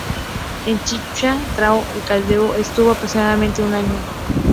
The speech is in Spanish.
En Chicha, Tato y Clodoveo estuve aproximadamente un año.